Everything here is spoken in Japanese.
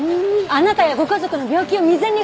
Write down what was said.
あなたやご家族の病気を未然に防ぐためにも。